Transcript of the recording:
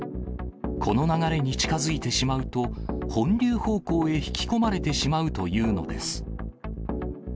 この流れに近づいてしまうと、本流方向へ引き込まれてしまうというのです。